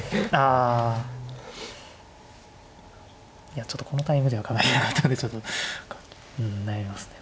いやちょっとこのタイミングでは考えてなかったんでちょっと悩みますね